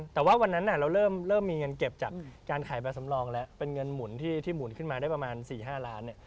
แต่ว่าวันนั้นเราเริ่มมีเงินเก็บจากการขายใบสำรองแล้วเป็นเงินหมุนที่หมุนขึ้นมาได้ประมาณ๔๕ล้าน